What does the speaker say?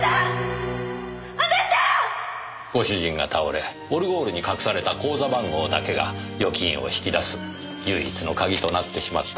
ご主人が倒れオルゴールに隠された口座番号だけが預金を引き出す唯一の鍵となってしまった。